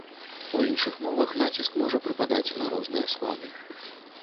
У іншых мовах націск можа прыпадаць на розныя склады.